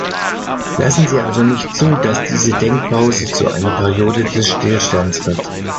Lassen Sie also nicht zu, dass diese Denkpause zu einer Periode des Stillstands wird.